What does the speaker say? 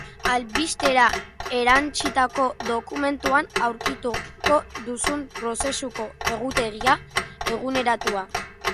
Albistera erantsitako dokumentuan aurkituko duzue prozesuko egutegi eguneratua.